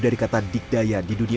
karena kita pada saatnya